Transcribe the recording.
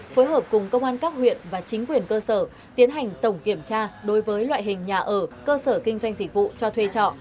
phối hợp cùng công an các huyện và chính quyền cơ sở tiến hành tổng kiểm tra đối với loại hình nhà ở cơ sở kinh doanh dịch vụ cho thuê trọ